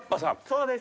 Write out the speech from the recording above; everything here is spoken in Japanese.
そうです。